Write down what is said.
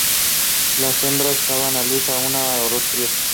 Las hembras daban a luz a una o dos crías.